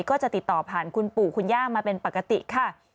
ก็จะติดต่อผ่านคุณปู่คุณย่ามาเป็นปกติค่ะ